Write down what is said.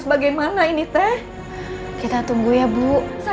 semoga itu jennifer kita ya